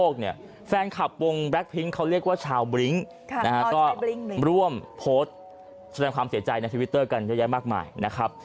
เขาเรียกว่าชาวบลิ้งก์ก็ร่วมโพสต์แสดงความเสียใจในทวิตเตอร์กันเยอะแยะมากมายนะครับ